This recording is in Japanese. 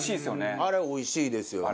あれおいしいですよね。